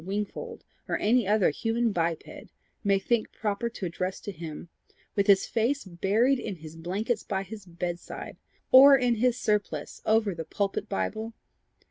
Wingfold, or any other human biped, may think proper to address to him with his face buried in his blankets by his bedside or in his surplice over the pulpit bible?